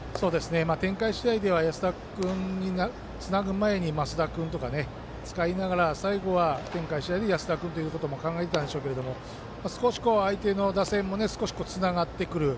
展開次第では安田君につなぐ前に増田君とかを使いながら最後は安田君ということも考えていたんでしょうけど打線も少しつながってくる。